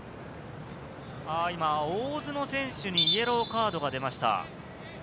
今、大津の選手にイエローカードが出ました。